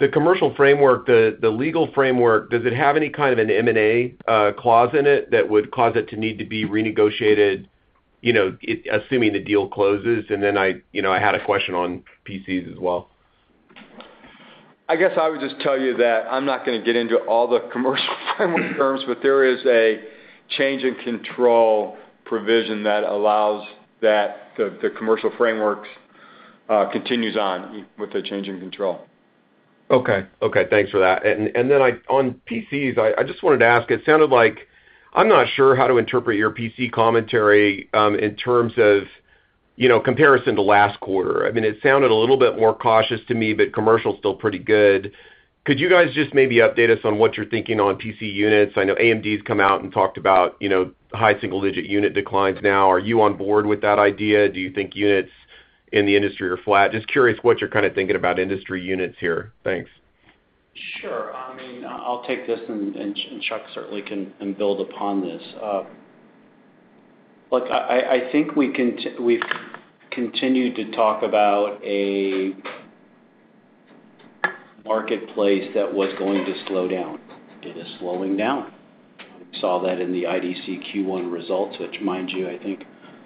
S12: The commercial framework, the legal framework, does it have any kind of an M&A clause in it that would cause it to need to be renegotiated, you know, assuming the deal closes? And then I, you know, I had a question on PCs as well.
S5: I guess I would just tell you that I'm not gonna get into all the commercial framework terms, but there is a change in control provision that allows that the commercial frameworks continues on with the change in control.
S12: Okay, thanks for that. Then on PCs, I just wanted to ask, it sounded like I'm not sure how to interpret your PC commentary, in terms of, you know, comparison to last quarter. I mean, it sounded a little bit more cautious to me, but commercial's still pretty good. Could you guys just maybe update us on what you're thinking on PC units? I know AMD's come out and talked about, you know, high single-digit unit declines now. Are you on board with that idea? Do you think units in the industry are flat? Just curious what you're kind of thinking about industry units here. Thanks.
S3: Sure. I mean, I'll take this and Chuck certainly can build upon this. Look, I think we've continued to talk about a marketplace that was going to slow down. It is slowing down. We saw that in the IDC Q1 results, which, mind you, I think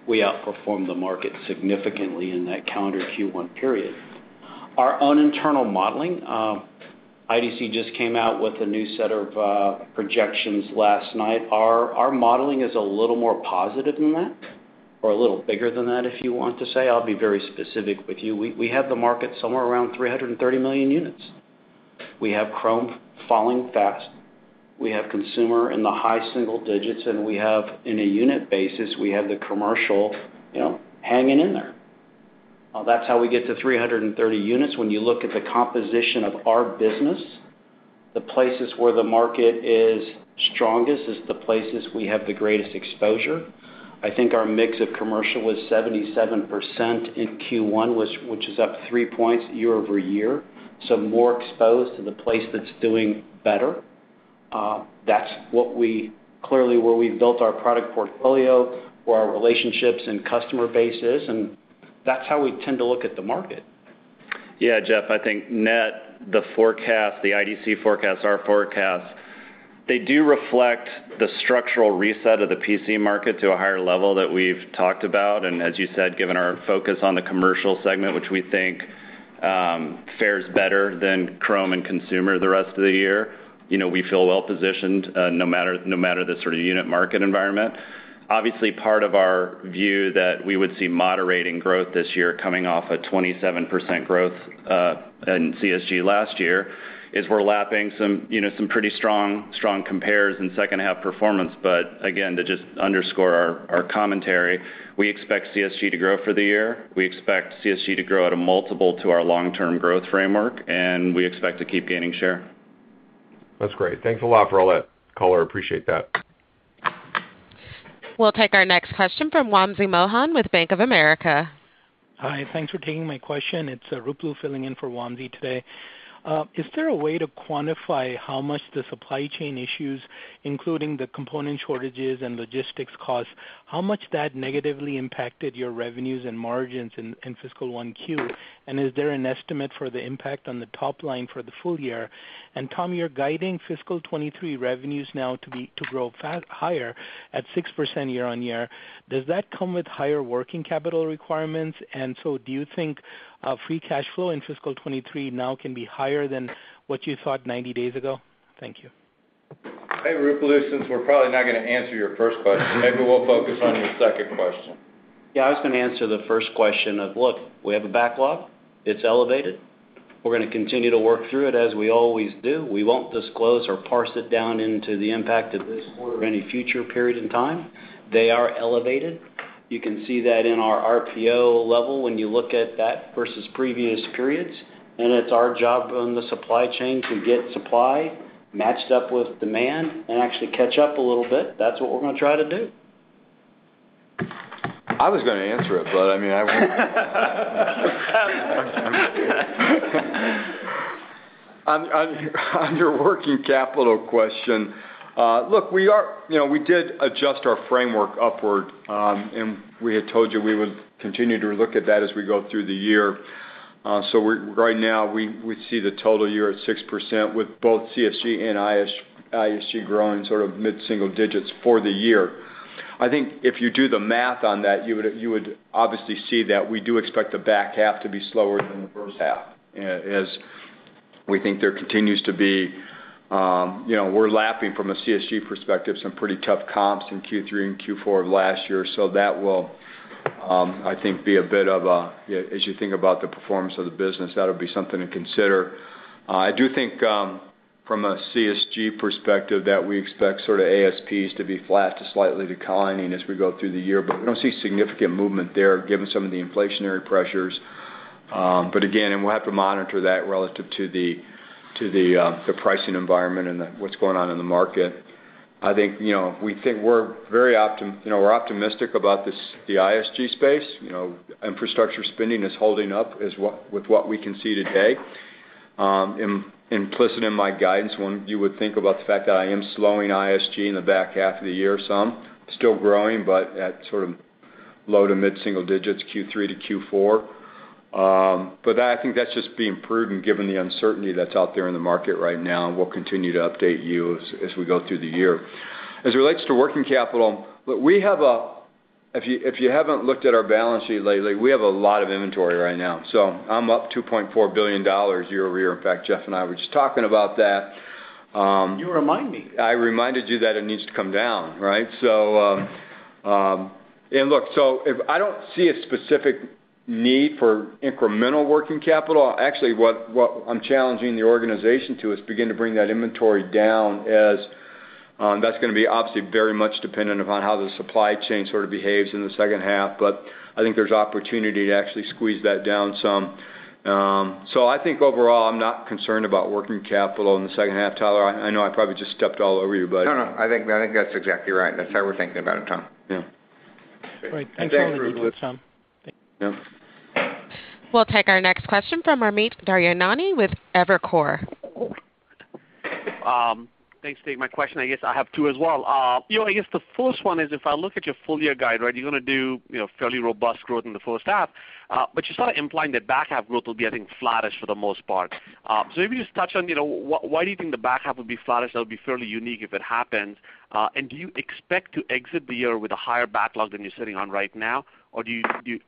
S3: we outperformed the market significantly in that calendar Q1 period. Our own internal modeling, IDC just came out with a new set of projections last night. Our modeling is a little more positive than that or a little bigger than that, if you want to say. I'll be very specific with you. We have the market somewhere around 330 million units. We have Chrome falling fast. We have consumer in the high single digits, and, in a unit basis, the commercial, you know, hanging in there. That's how we get to 330 units. When you look at the composition of our business, the places where the market is strongest is the places we have the greatest exposure. I think our mix of commercial was 77% in Q1, which is up three points year-over-year, so more exposed to the place that's doing better. Clearly where we've built our product portfolio, where our relationships and customer base is, and that's how we tend to look at the market.
S4: Yeah, Jeff, I think net, the forecast, the IDC forecast, our forecast, they do reflect the structural reset of the PC market to a higher level that we've talked about. As you said, given our focus on the commercial segment, which we think Fares better than Chrome and consumer the rest of the year. You know, we feel well positioned, no matter the sort of unit market environment. Obviously, part of our view that we would see moderating growth this year coming off a 27% growth in CSG last year is we're lapping some, you know, some pretty strong compares in second half performance. But again, to just underscore our commentary, we expect CSG to grow for the year. We expect CSG to grow at a multiple to our long-term growth framework, and we expect to keep gaining share.
S12: That's great. Thanks a lot for all that color. Appreciate that.
S1: We'll take our next question from Wamsi Mohan with Bank of America.
S13: Hi. Thanks for taking my question. It's Ruplu filling in for Wamsi today. Is there a way to quantify how much the supply chain issues, including the component shortages and logistics costs, how much that negatively impacted your revenues and margins in fiscal 1Q? Is there an estimate for the impact on the top line for the full year? Tom, you're guiding fiscal 2023 revenues now to grow higher at 6% year-on-year. Does that come with higher working capital requirements? Do you think free cash flow in fiscal 2023 now can be higher than what you thought 90 days ago? Thank you.
S5: Hey, Ruplu, since we're probably not gonna answer your first question, maybe we'll focus on your second question.
S4: Yeah, I was gonna answer the first question of, look, we have a backlog, it's elevated. We're gonna continue to work through it as we always do. We won't disclose or parse it down into the impact of this quarter or any future period in time. They are elevated. You can see that in our RPO level when you look at that versus previous periods, and it's our job on the supply chain to get supply matched up with demand and actually catch up a little bit. That's what we're gonna try to do.
S5: I was gonna answer it, but I mean, on your working capital question, look, we are. You know, we did adjust our framework upward, and we had told you we would continue to look at that as we go through the year. We're right now. We see the total year at 6% with both CSG and ISG growing sort of mid-single digits for the year. I think if you do the math on that, you would obviously see that we do expect the back half to be slower than the first half as we think there continues to be, you know. We're lapping from a CSG perspective, some pretty tough comps in Q3 and Q4 of last year. That will, I think, be a bit of a, as you think about the performance of the business, that'll be something to consider. I do think from a CSG perspective that we expect sort of ASPs to be flat to slightly declining as we go through the year, but we don't see significant movement there given some of the inflationary pressures. We'll have to monitor that relative to the pricing environment and what's going on in the market. I think, you know, we're optimistic about the ISG space. You know, infrastructure spending is holding up with what we can see today. Implicit in my guidance, you would think about the fact that I am slowing ISG in the back half of the year some. Still growing, but at sort of low- to mid-single digits, Q3 to Q4. I think that's just being prudent given the uncertainty that's out there in the market right now, and we'll continue to update you as we go through the year. As it relates to working capital, look, if you haven't looked at our balance sheet lately, we have a lot of inventory right now. So it's up $2.4 billion year-over-year. In fact, Jeff and I were just talking about that.
S4: You remind me.
S5: I reminded you that it needs to come down, right? If I don't see a specific need for incremental working capital. Actually, what I'm challenging the organization to is begin to bring that inventory down as. That's gonna be obviously very much dependent upon how the supply chain sort of behaves in the second half. I think there's opportunity to actually squeeze that down some. I think overall I'm not concerned about working capital in the second half. Tyler, I know I probably just stepped all over you, but.
S4: No, no, I think that's exactly right. That's how we're thinking about it, Tom.
S5: Yeah.
S13: All right. Thanks for all the detail, Tom.
S5: Yeah.
S1: We'll take our next question from Amit Daryanani with Evercore.
S14: Thanks for taking my question. I guess I have two as well. You know, I guess the first one is, if I look at your full year guide, right, you're gonna do, you know, fairly robust growth in the first half, but you're sort of implying the back half growth will be, I think, flattish for the most part. So maybe just touch on, you know, why do you think the back half would be flattish? That would be fairly unique if it happens. And do you expect to exit the year with a higher backlog than you're sitting on right now? Or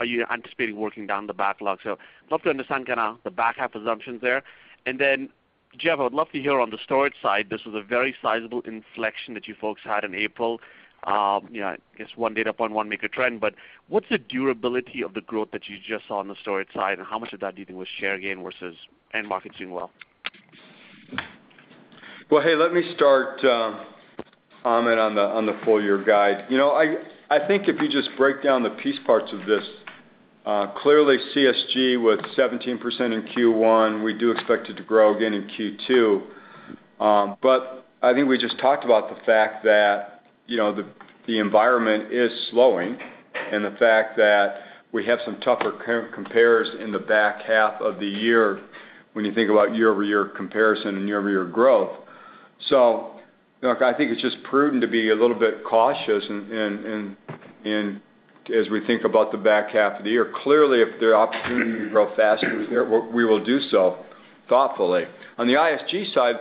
S14: are you anticipating working down the backlog? So love to understand kinda the back half assumptions there. Jeff, I would love to hear on the storage side, this was a very sizable inflection that you folks had in April. You know, I guess one data point wouldn't make a trend, but what's the durability of the growth that you just saw on the storage side, and how much of that do you think was share gain versus end markets doing well?
S5: Well, hey, let me start, Amit, on the full year guide. You know, I think if you just break down the piece parts of this, clearly CSG with 17% in Q1, we do expect it to grow again in Q2. I think we just talked about the fact that, you know, the environment is slowing and the fact that we have some tougher compares in the back half of the year when you think about year-over-year comparison and year-over-year growth. Look, I think it's just prudent to be a little bit cautious in as we think about the back half of the year. Clearly, if there are opportunities to grow faster, we will do so thoughtfully. On the ISG side,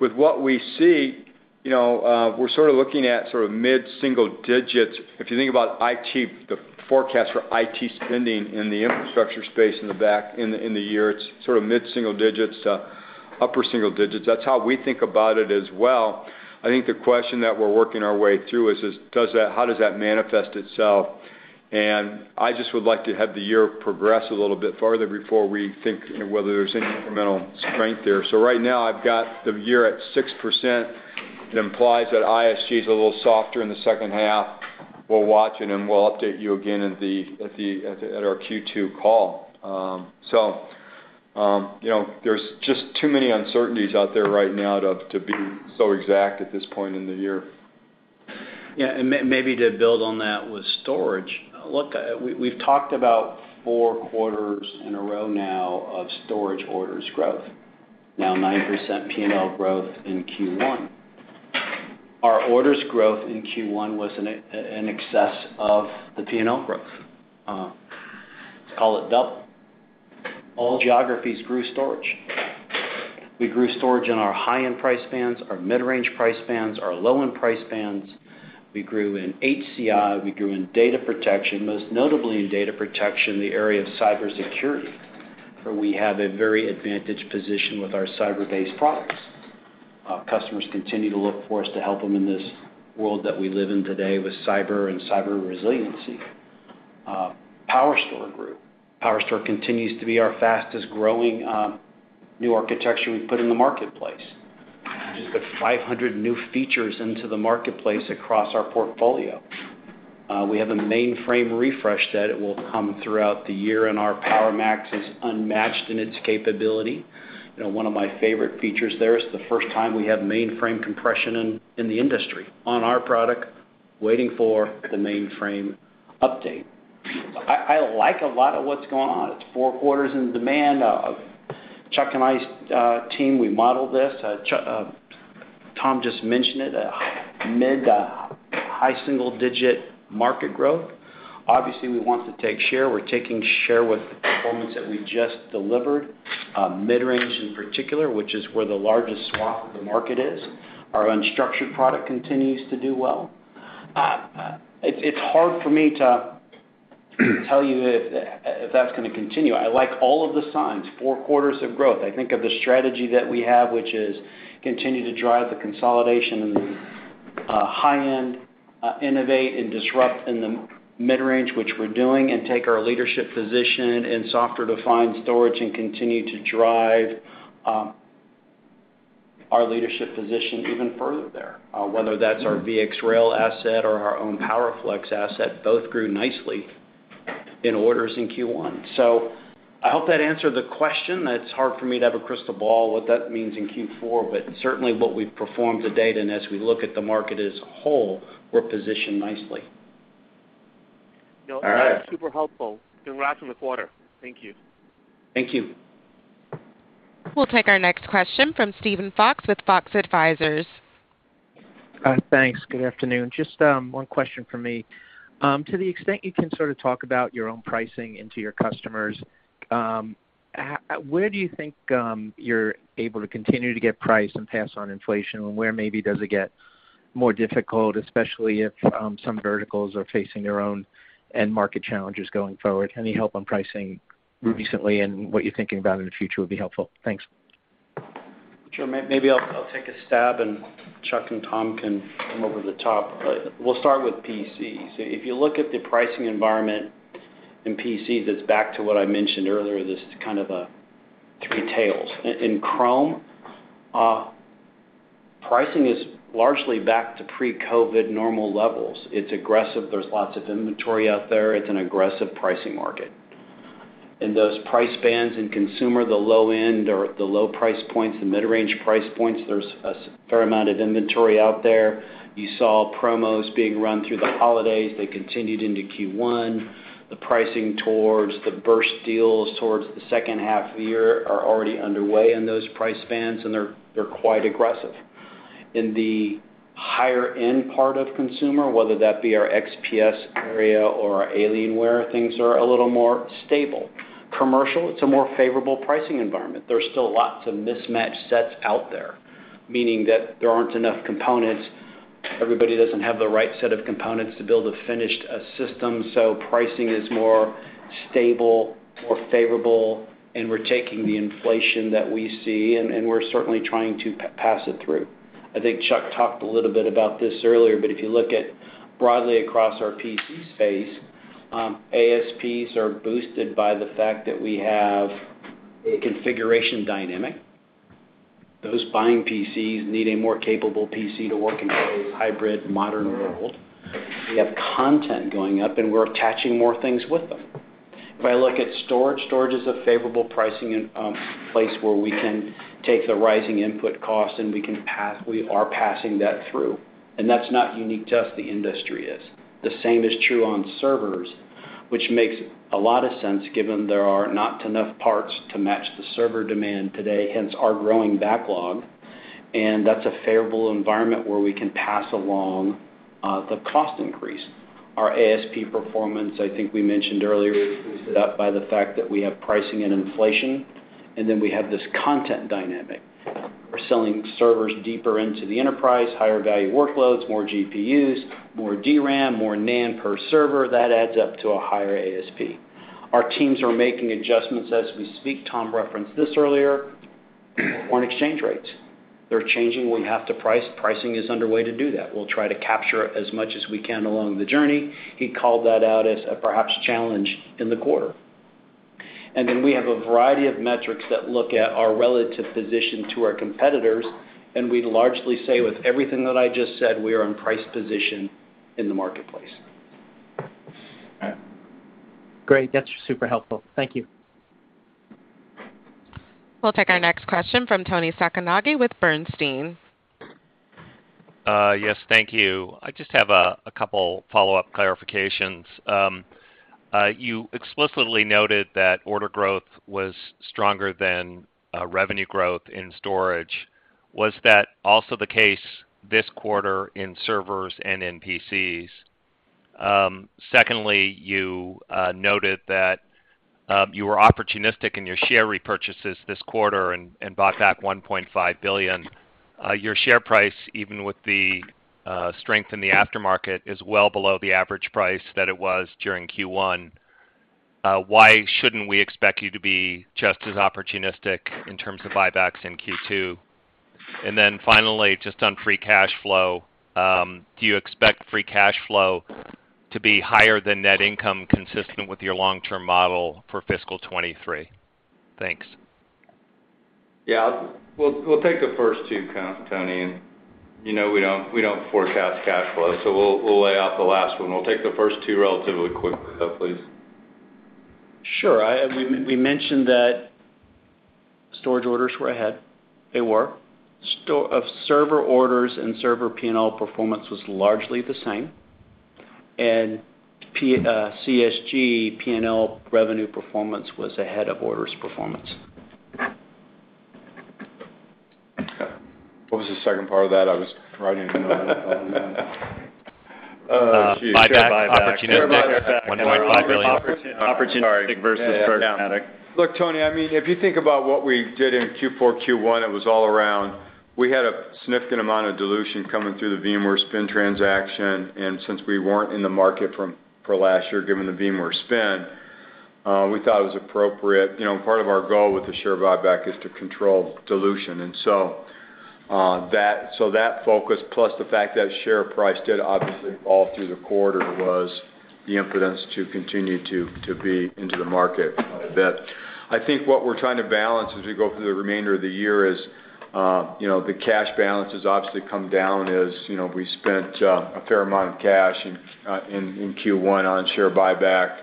S5: with what we see. You know, we're sort of looking at sort of mid-single digits. If you think about IT, the forecast for IT spending in the infrastructure space in the back half in the year, it's sort of mid-single digits to upper single digits. That's how we think about it as well. I think the question that we're working our way through is how does that manifest itself? I just would like to have the year progress a little bit farther before we think whether there's any incremental strength there. Right now, I've got the year at 6%. It implies that ISG is a little softer in the second half. We're watching, and we'll update you again at our Q2 call. You know, there's just too many uncertainties out there right now to be so exact at this point in the year.
S3: Yeah. To build on that with storage. Look, we've talked about four quarters in a row now of storage orders growth. Now 9% P&L growth in Q1. Our orders growth in Q1 was in excess of the P&L growth. Let's call it double. All geographies grew storage. We grew storage in our high-end price bands, our mid-range price bands, our low-end price bands. We grew in HCI, we grew in data protection, most notably in data protection in the area of cybersecurity, where we have a very advantaged position with our cyber-based products. Customers continue to look for us to help them in this world that we live in today with cyber and cyber resiliency. PowerStore grew. PowerStore continues to be our fastest-growing new architecture we've put in the marketplace. Just put 500 new features into the marketplace across our portfolio. We have a mainframe refresh that will come throughout the year, and our PowerMax is unmatched in its capability. You know, one of my favorite features there is the first time we have mainframe compression in the industry on our product, waiting for the mainframe update. I like a lot of what's going on. It's four quarters of demand. Chuck and I's team, we modeled this. Tom just mentioned it, mid- to high single-digit market growth. Obviously, we want to take share. We're taking share with the performance that we just delivered, mid-range in particular, which is where the largest swath of the market is. Our unstructured product continues to do well. It's hard for me to tell you if that's gonna continue. I like all of the signs, four quarters of growth. I think of the strategy that we have, which is continue to drive the consolidation in the high-end, innovate and disrupt in the mid-range, which we're doing, and take our leadership position in software-defined storage and continue to drive our leadership position even further there. Whether that's our VxRail asset or our own PowerFlex asset, both grew nicely in orders in Q1. I hope that answered the question. That's hard for me to have a crystal ball what that means in Q4, but certainly what we've performed to date, and as we look at the market as a whole, we're positioned nicely.
S14: No-
S5: All right.
S14: That was super helpful. Congrats on the quarter. Thank you.
S3: Thank you.
S1: We'll take our next question from Steven Fox with Fox Advisors.
S15: Thanks. Good afternoon. Just one question from me. To the extent you can sort of talk about your own pricing into your customers, where do you think you're able to continue to get price and pass on inflation, and where maybe does it get more difficult, especially if some verticals are facing their own end market challenges going forward? Any help on pricing recently and what you're thinking about in the future would be helpful. Thanks.
S3: Sure. Maybe I'll take a stab, and Chuck and Tom can come over the top. We'll start with PCs. If you look at the pricing environment in PCs, it's back to what I mentioned earlier. This is kind of two tails. In Chrome, pricing is largely back to pre-COVID normal levels. It's aggressive. There's lots of inventory out there. It's an aggressive pricing market. In those price bands in consumer, the low end or the low price points and mid-range price points, there's a fair amount of inventory out there. You saw promos being run through the holidays. They continued into Q1. The pricing towards the best deals towards the second half of the year are already underway in those price bands, and they're quite aggressive. In the higher end part of consumer, whether that be our XPS area or our Alienware, things are a little more stable. Commercial, it's a more favorable pricing environment. There's still lots of mismatched sets out there, meaning that there aren't enough components. Everybody doesn't have the right set of components to build a finished system, so pricing is more stable, more favorable, and we're taking the inflation that we see, and we're certainly trying to pass it through. I think Chuck talked a little bit about this earlier, but if you look at broadly across our PC space, ASPs are boosted by the fact that we have a configuration dynamic. Those buying PCs need a more capable PC to work in today's hybrid modern world. We have content going up, and we're attaching more things with them. If I look at storage is a favorable pricing place where we can take the rising input cost, and we are passing that through. That's not unique just to the industry. It's the same is true on servers, which makes a lot of sense given there are not enough parts to match the server demand today, hence our growing backlog. That's a favorable environment where we can pass along
S5: The cost increase. Our ASP performance, I think we mentioned earlier, boosted up by the fact that we have pricing and inflation, and then we have this content dynamic. We're selling servers deeper into the enterprise, higher value workloads, more GPUs, more DRAM, more NAND per server. That adds up to a higher ASP. Our teams are making adjustments as we speak, Tom referenced this earlier, on exchange rates. They're changing. We have to price. Pricing is underway to do that. We'll try to capture as much as we can along the journey. He called that out as a perhaps challenge in the quarter. We have a variety of metrics that look at our relative position to our competitors, and we largely stay with everything that I just said, we are in price position in the marketplace.
S4: Great. That's super helpful. Thank you.
S1: We'll take our next question from Toni Sacconaghi with Bernstein.
S16: Yes, thank you. I just have a couple follow-up clarifications. You explicitly noted that order growth was stronger than revenue growth in storage. Was that also the case this quarter in servers and in PCs? Secondly, you noted that you were opportunistic in your share repurchases this quarter and bought back $1.5 billion. Your share price, even with the strength in the aftermarket, is well below the average price that it was during Q1. Why shouldn't we expect you to be just as opportunistic in terms of buybacks in Q2? Finally, just on free cash flow, do you expect free cash flow to be higher than net income consistent with your long-term model for fiscal 2023? Thanks.
S5: Yeah. We'll take the first two, to Tony, and you know we don't forecast cash flow, so we'll lay off the last one. We'll take the first two relatively quickly, though, please.
S4: Sure. We mentioned that storage orders were ahead. They were. Server orders and server P&L performance was largely the same. CSG P&L revenue performance was ahead of orders performance.
S5: What was the second part of that? I was writing.
S16: Buyback, opportunistic, $1.5 billion.
S5: Look, Tony, I mean, if you think about what we did in Q4, Q1, it was all around. We had a significant amount of dilution coming through the VMware spin transaction, and since we weren't in the market for last year, given the VMware spin, we thought it was appropriate. You know, part of our goal with the share buyback is to control dilution. So that focus plus the fact that share price did obviously fall through the quarter was the impetus to continue to be into the market with that. I think what we're trying to balance as we go through the remainder of the year is, you know, the cash balance has obviously come down as, you know, we spent a fair amount of cash in Q1 on share buyback.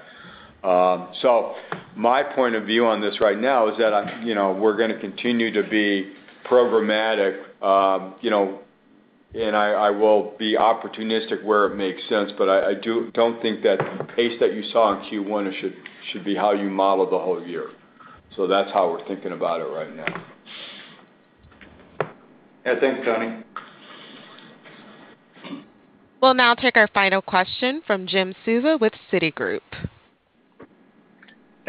S5: My point of view on this right now is that, you know, we're gonna continue to be programmatic, you know, and I will be opportunistic where it makes sense, but I don't think that the pace that you saw in Q1 should be how you model the whole year. That's how we're thinking about it right now.
S4: Yeah. Thanks, Tony.
S1: We'll now take our final question from Jim Suva with Citigroup.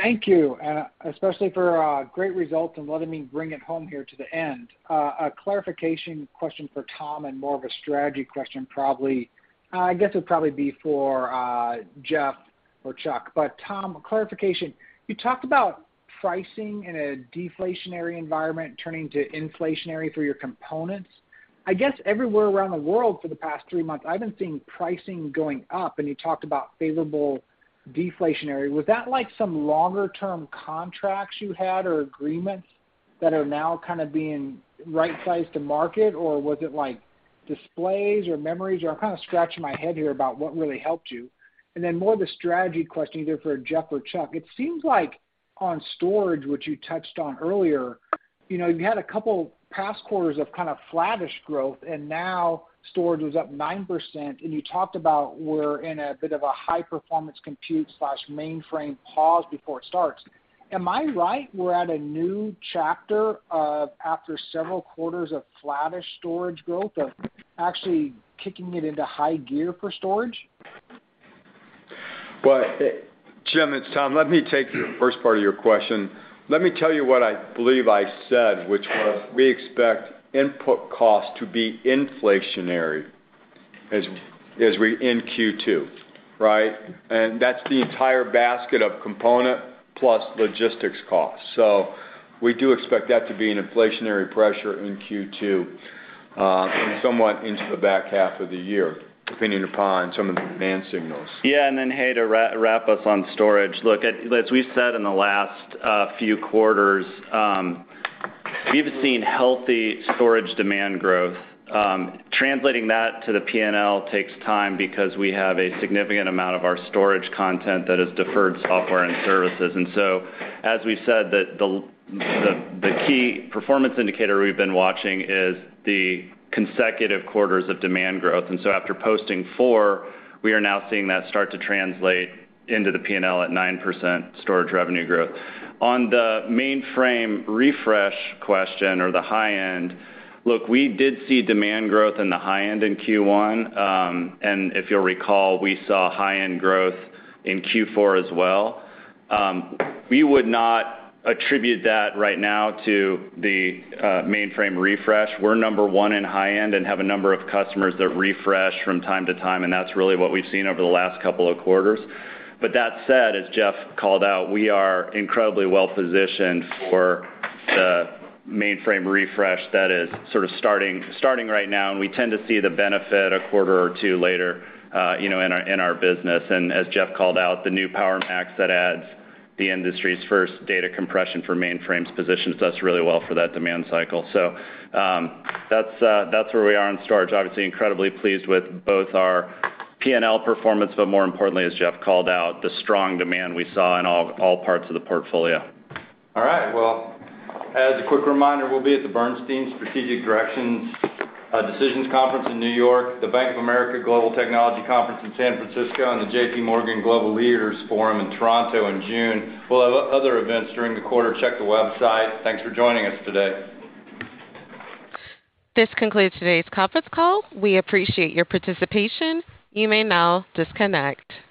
S17: Thank you, especially for great results and letting me bring it home here to the end. A clarification question for Tom and more of a strategy question probably. I guess it would probably be for Jeff or Chuck. Tom, clarification. You talked about pricing in a deflationary environment turning to inflationary through your components. I guess everywhere around the world for the past three months, I haven't seen pricing going up, and you talked about favorable deflationary. Was that like some longer term contracts you had or agreements that are now kind of being right-sized to market, or was it like displays or memories? I'm kind of scratching my head here about what really helped you. More of the strategy question either for Jeff or Chuck. It seems like on storage, which you touched on earlier, you know, you had a couple past quarters of kind of flattish growth, and now storage was up 9%, and you talked about we're in a bit of a high-performance compute/mainframe pause before it starts. Am I right we're at a new chapter of after several quarters of flattish storage growth of actually kicking it into high gear for storage?
S5: Well, Jim, it's Tom. Let me take the first part of your question. Let me tell you what I believe I said, which was we expect input costs to be inflationary in Q2, right? And that's the entire basket of component plus logistics costs. We do expect that to be an inflationary pressure in Q2, and somewhat into the back half of the year, depending upon some of the demand signals.
S4: To wrap up on storage, look, as we said in the last few quarters, we've seen healthy storage demand growth. Translating that to the P&L takes time because we have a significant amount of our storage content that is deferred software and services. As we said, the key performance indicator we've been watching is the consecutive quarters of demand growth. After posting 4, we are now seeing that start to translate into the P&L at 9% storage revenue growth. On the mainframe refresh question or the high-end, look, we did see demand growth in the high end in Q1. If you'll recall, we saw high-end growth in Q4 as well. We would not attribute that right now to the mainframe refresh. We're number one in high end and have a number of customers that refresh from time to time, and that's really what we've seen over the last couple of quarters. That said, as Jeff called out, we are incredibly well-positioned for the mainframe refresh that is sort of starting right now, and we tend to see the benefit a quarter or two later, you know, in our business. As Jeff called out, the new PowerMax that adds the industry's first data compression for mainframes positions us really well for that demand cycle. That's where we are in storage. Obviously, incredibly pleased with both our P&L performance, but more importantly, as Jeff called out, the strong demand we saw in all parts of the portfolio.
S5: All right. Well, as a quick reminder, we'll be at the Bernstein Strategic Decisions Conference in New York, the Bank of America Global Technology Conference in San Francisco, and the JPMorgan Global Leaders Forum in Toronto in June. We'll have other events during the quarter. Check the website. Thanks for joining us today.
S1: This concludes today's conference call. We appreciate your participation. You may now disconnect.